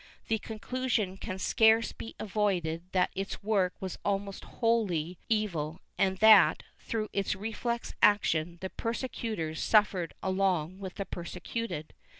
The conclusion can scarce be avoided that its work was almost wholly evil and that, through its reflex action, the persecutors suffered along with the persecuted.